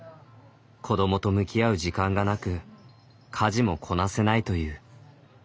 子どもと向き合う時間がなく家事もこなせないという。